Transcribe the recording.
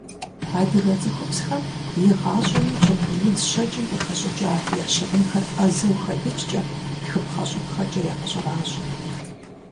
Адыгэ цӀыхубзхэм игъащӀэми чэтэнудз щэкӀым къыхэщӀыкӀа я щыгъынхэр Ӏэзэу хэдыкӀкӀэ, тхыпхъэ-щӀыпхъэкӀэ ягъэщӀэращӀэ.